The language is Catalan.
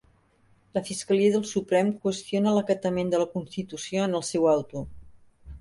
La fiscalia del Suprem qüestiona l'acatament de la constitució en el seu auto